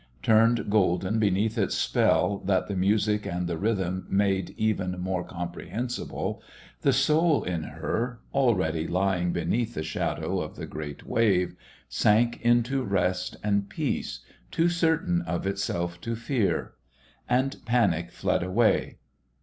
Turned golden beneath its spell that the music and the rhythm made even more comprehensible, the soul in her, already lying beneath the shadow of the great wave, sank into rest and peace, too certain of itself to fear. And panic fled away.